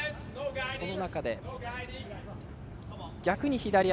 その中で、逆に左足。